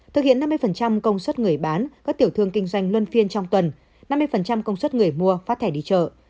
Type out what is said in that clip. thực hiện năm mươi công suất người bán các tiểu thương kinh doanh luân phiên trong tuần năm mươi công suất người mua phát thẻ đi chợ